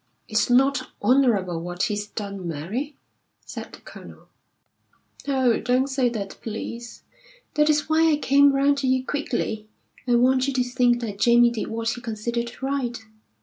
"It's not honourable what he's done, Mary," said the Colonel. "Oh, don't say that, please! That is why I came round to you quickly. I want you to think that Jamie did what he considered right.